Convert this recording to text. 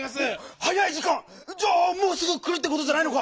はやいじかん⁉じゃあもうすぐくるってことじゃないのか！